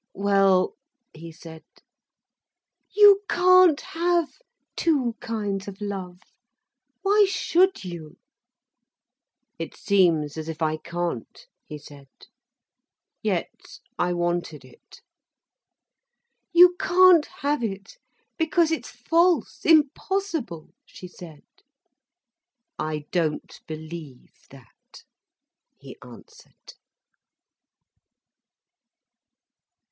"Well—" he said. "You can't have two kinds of love. Why should you!" It seems as if I can't," he said. "Yet I wanted it." "You can't have it, because it's false, impossible," she said. "I don't believe that," he answered.